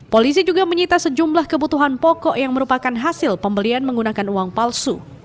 polisi juga menyita sejumlah kebutuhan pokok yang merupakan hasil pembelian menggunakan uang palsu